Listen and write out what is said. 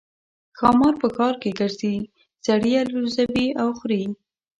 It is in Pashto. ښامار په ښار کې ګرځي سړي الوزوي او خوري.